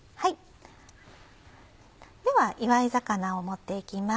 では祝い肴を盛って行きます。